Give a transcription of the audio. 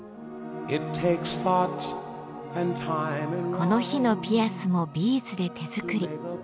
この日のピアスもビーズで手作り。